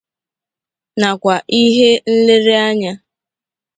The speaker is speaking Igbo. nakwa ihe nlereanya